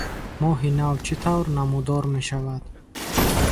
Моҳи нав чӣ тавр намудор мешавад?